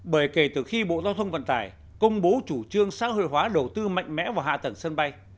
bởi kể từ khi bộ giao thông vận tải công bố chủ trương xã hội hóa đầu tư mạnh mẽ vào hạ tầng sân bay